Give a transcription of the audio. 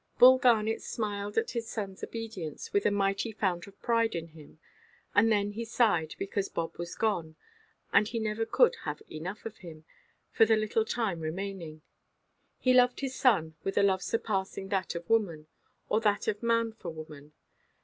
Bull Garnet smiled at his sonʼs obedience, with a mighty fount of pride in him; and then he sighed, because Bob was gone—and he never could have enough of him, for the little time remaining. He loved his son with a love surpassing that of woman, or that of man for woman.